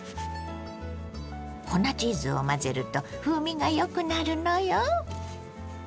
粉チーズを混ぜると風味がよくなるのよ。